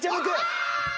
あ！